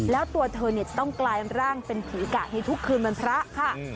แล้วตัวเธอจะต้องกลายร่างเป็นผีกะให้ทุกคืนวันพระค่ะ